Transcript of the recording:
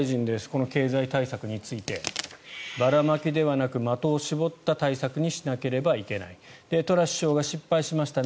この経済対策についてばらまきではなく的を絞った対策にしなければいけないトラス首相が失敗しました